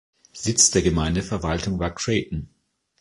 Sitz der Gemeindeverwaltung war Creighton.